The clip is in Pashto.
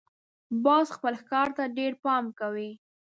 باز خپل ښکار ته ډېر پام کوي